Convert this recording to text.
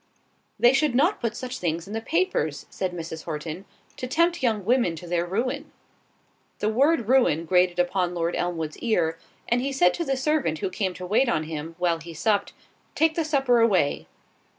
_'" "They should not put such things in the papers," said Mrs. Horton, "to tempt young women to their ruin." The word ruin grated upon Lord Elmwood's ear, and he said to the servant who came to wait on him, while he supped, "Take the supper away."